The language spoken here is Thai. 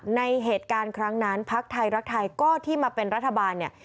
ในเหตุการณ์ครั้งนั้นพักไทยรักไทยก็ที่มาเป็นรัฐบาลเนี่ย